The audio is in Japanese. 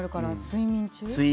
睡眠中。